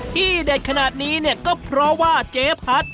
ที่เด็ดขนาดนี้ก็เพราะว่าเจพัฒน์